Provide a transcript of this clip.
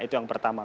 itu yang pertama